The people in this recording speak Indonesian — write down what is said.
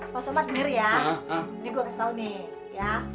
pak somad denger ya ini gua kasih tau nih